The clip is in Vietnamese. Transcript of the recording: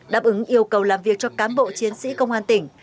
đáp ứng yêu cầu làm việc cho cám bộ chiến sĩ công an tỉnh